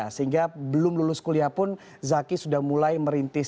sehingga belum lulus kuliah pun zaki sudah mulai merintis